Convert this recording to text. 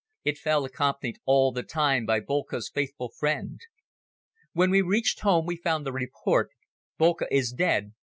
It fell accompanied all the time by Boelcke's faithful friend. When we reached home we found the report "Boelcke is dead!"